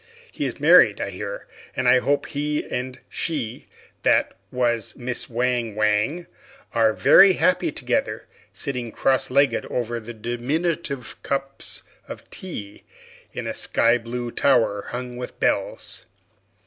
He is married, I hear; and I hope he and she that was Miss Wang Wang are very happy together, sitting cross legged over their diminutive cups of tea in a skyblue tower hung with bells.